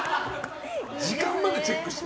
時間までチェックして。